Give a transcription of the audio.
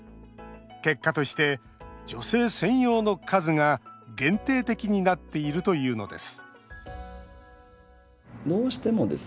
結果として女性専用の数が限定的になっているというのです